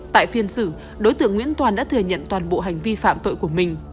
tại phiên xử đối tượng nguyễn toàn đã thừa nhận toàn bộ hành vi phạm tội của mình